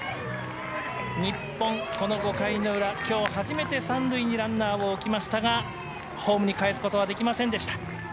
日本、この５回の裏今日初めて３塁にランナーを置きましたがホームにかえすことはできませんでした。